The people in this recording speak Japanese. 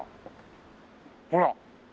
ほら。